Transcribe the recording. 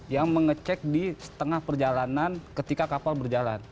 yang mengecek di setengah perjalanan ketika kapal berjalan